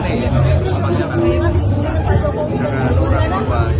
sebelum open house ini ada yang berpengalaman